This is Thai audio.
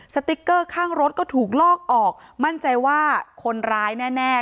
สติ๊กเกอร์ข้างรถก็ถูกลอกออกมั่นใจว่าคนร้ายแน่แน่